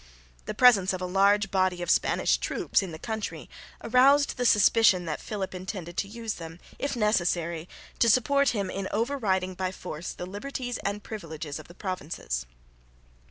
The presence of a large body of Spanish troops in the country aroused the suspicion that Philip intended to use them, if necessary, to support him in overriding by force the liberties and privileges of the provinces.